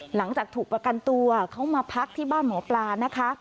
หลังจากถูกประกันตัวเขามาพักที่บ้านหมอปลานะคะ